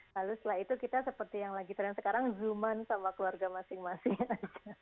lalu setelah itu kita seperti yang lagi tren sekarang zooman sama keluarga masing masing